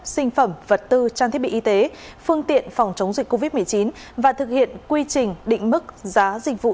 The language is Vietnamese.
sinh phẩm vật tư trang thiết bị y tế phương tiện phòng chống dịch covid một mươi chín và thực hiện quy trình định mức giá dịch vụ